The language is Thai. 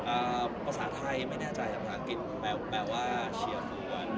ภาษาไทยไม่แน่ใจภาษาอังกฤษแปลว่าเชียร์เฟือน